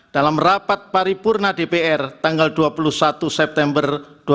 dalam rapat paripurna dpr tanggal dua puluh satu september dua ribu dua puluh